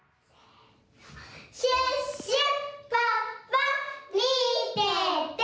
シュッシュポッポみてて！